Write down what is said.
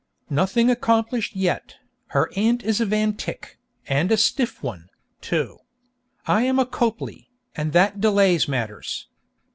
Nothing accomplished yet. Her aunt is a Van Tyck, and a stiff one, too. I am a Copley, and that delays matters.